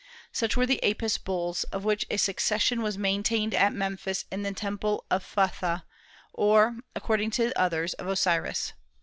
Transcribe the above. Such were the Apis bulls, of which a succession was maintained at Memphis in the temple of Phtha, or, according to others, of Osiris.